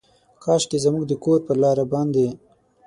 کاشکي زموږ د کور پر لاره باندې،